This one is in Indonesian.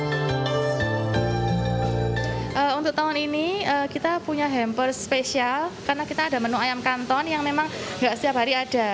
untuk tahun ini kita punya hampers spesial karena kita ada menu ayam kanton yang memang nggak setiap hari ada